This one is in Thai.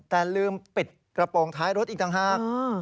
แต่ลืมปิดกระโปรงท้ายรถอีกต่างหาก